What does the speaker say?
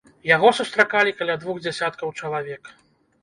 Яго сустракалі каля двух дзясяткаў чалавек.